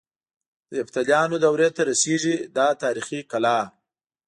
د یفتلیانو دورې ته رسيږي دا تاریخي کلا.